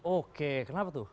oke kenapa tuh